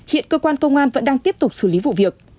hiện cơ quan công an vẫn đang tiếp tục xử lý vụ việc